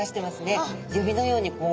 指のようにこう。